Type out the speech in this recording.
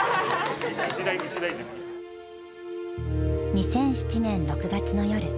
２００７年６月の夜。